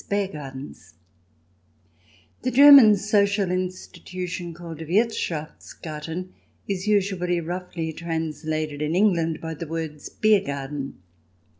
BEAR GARDENS The German social institution called Wirthschafts garten is usually roughly translated in England by the words Beer Garden.